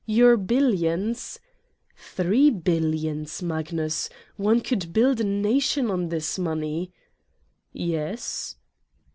Your billions >" "Three billions, Magnus! One could build a nation on this money " "Yes?